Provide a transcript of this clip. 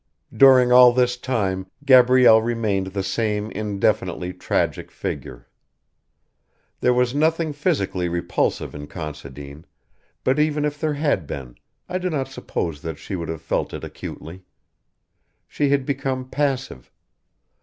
During all this time Gabrielle remained the same indefinitely tragic figure. There was nothing physically repulsive in Considine, but even if there had been, I do not suppose that she would have felt it acutely. She had become passive.